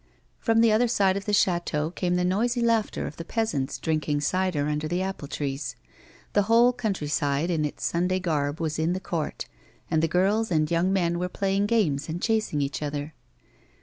From the other side of the chateau came the noisy laughter of the peasants drinking cider under the apple trees. The whole country side in its Sunday garb was in the court, and the girls and young men were playing games and chasing each other.